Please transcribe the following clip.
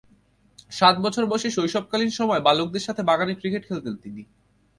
সাত বছর বয়সে শৈশবকালীন সময়ে বালকদের সাথে বাগানে ক্রিকেট খেলতেন তিনি।